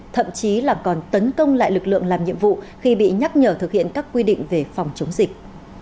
thậm chí là còn tấn công lại lực lượng làm nhiệm vụ khi bị nhắc nhở thực hiện các quy định về phòng chống dịch